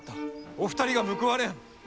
お二人が報われん。